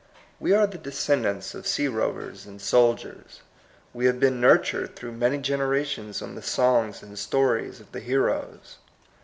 We are the descendants of sea rovers and soldiers. We have been nurtured through many generations on the songs and stories of the heroes.